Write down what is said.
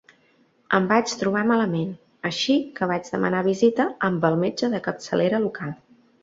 Em vaig trobar malament, així que vaig demanar visita amb el metge de capçalera local